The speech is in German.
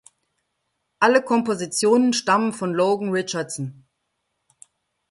Alle Kompositionen stammen von Logan Richardson.